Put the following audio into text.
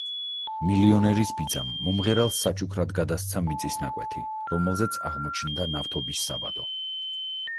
მილიონერის ბიძამ მომღერალს საჩუქრად გადასცა მიწის ნაკვეთი, რომელზეც აღმოჩნდა ნავთობის საბადო.